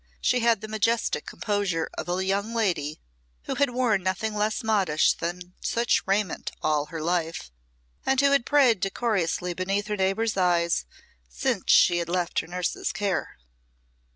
She had the majestic composure of a young lady who had worn nothing less modish than such raiment all her life, and who had prayed decorously beneath her neighbours' eyes since she had left her nurse's care.